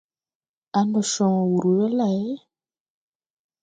Ãã, ndo con wur we lay?